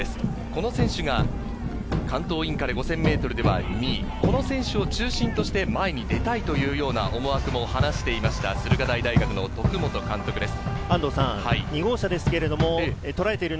この選手が関東インカレ５０００ｍでは２位、こちらの選手を中心として前に出たいというような思惑も話していました駿河台大学の徳本監督です。